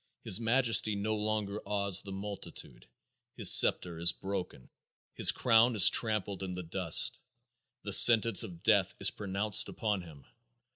His majesty no longer awes the multitude; his scepter is broken; his crown is trampled in the dust; the sentence of death is pronounced upon him.